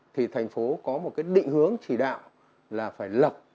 thì thành phố có một định hướng chỉ đạo là phải lanh